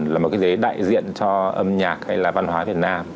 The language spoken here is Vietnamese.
là một cái gì đấy đại diện cho âm nhạc hay là văn hóa việt nam